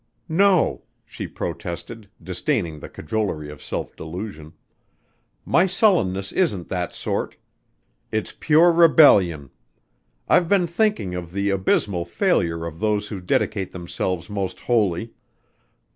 "No," she protested, disdaining the cajolery of self delusion, "my sullenness isn't that sort. It's pure rebellion. I've been thinking of the abysmal failure of those who dedicate themselves most wholly.